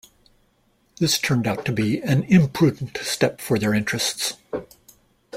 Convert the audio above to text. This turned out to be an imprudent step for their interests.